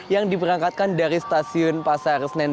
yang diperangkatkan dari stasiun pasar senan